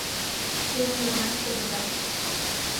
Те чыланат кодыда.